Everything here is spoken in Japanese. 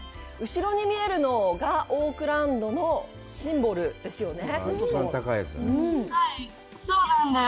後ろに見えるのがオークランドのシンボルですよね。